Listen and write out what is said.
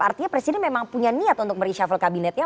artinya presiden memang punya niat untuk mereshuffle kabinetnya